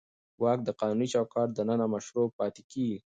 واک د قانوني چوکاټ دننه مشروع پاتې کېږي.